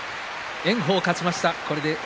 炎鵬勝ちました。